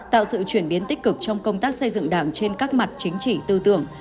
tạo sự chuyển biến tích cực trong công tác xây dựng đảng trên các mặt chính trị tư tưởng